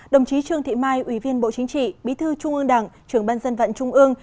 đồng chí trương thị mai ủy viên bộ chính trị bí thư trung ương đảng trưởng ban dân vận trung ương